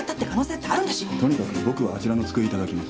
とにかく僕はあちらの机頂きます。